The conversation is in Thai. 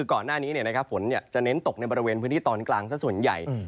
ก่อนหน้านี้ฝนจะเน้นตกในบริเวณพื้นที่ตอนกลางซะส่วนใหญ่